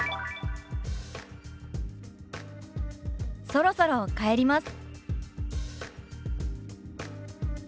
「そろそろ帰ります」。